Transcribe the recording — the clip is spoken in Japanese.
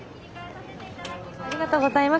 ありがとうございます。